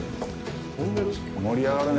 盛り上がるね。